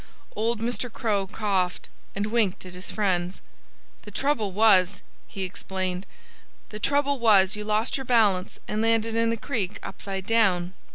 Old Mr. Crow coughed and winked at his friends. "The trouble was" he explained "the trouble was, you lost your balance and landed in the creek upside down.